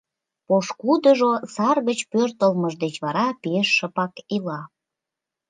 Пошкудыжо сар гыч пӧртылмыж деч вара пеш шыпак ила.